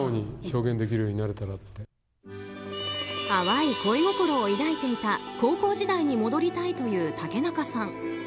淡い恋心を抱いていた高校時代に戻りたいという竹中さん。